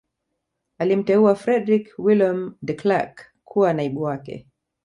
Alimteua Fredrick Willeum De Krelk kuwa naibu wake